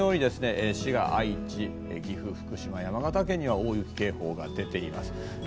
滋賀、愛知、岐阜福島、山形県には大雪警報が出ています。